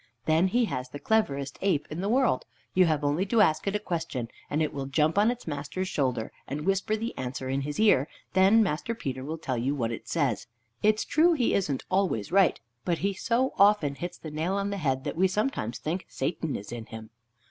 Then he has the cleverest ape in the world. You have only to ask it a question and it will jump on its master's shoulder and whisper the answer in his ear, and then Master Peter will tell you what it says. It's true, he isn't always right, but he so often hits the nail on the head that we sometimes think Satan is in him."